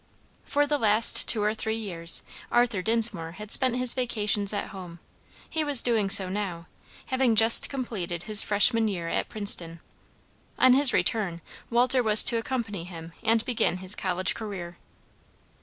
For the last two or three years Arthur Dinsmore had spent his vacations at home; he was doing so now, having just completed his freshman year at Princeton. On his return Walter was to accompany him and begin his college career.